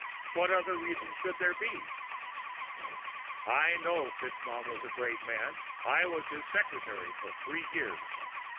What other reason should there be?" "I know FitzMaugham was a great man ... I was his secretary for three years."